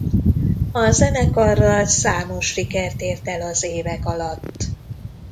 A zenekarral számos siker ért el az évek alatt.